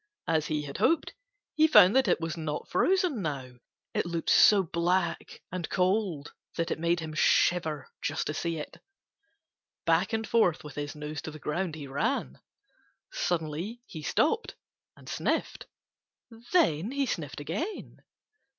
As he had hoped, he found that it was not frozen now. It looked so black and cold that it made him shiver just to see it. Back and forth with his nose to the ground he ran. Suddenly he stopped and sniffed. Then he sniffed again.